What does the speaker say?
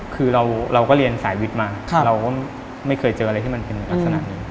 คือเราก็เรียนสายวิทย์มาเราก็ไม่เคยเจออะไรที่มันเป็นลักษณะนี้